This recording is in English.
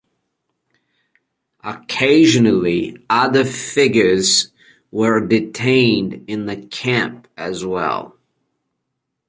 Occasionally other figures were detained in the camp as well.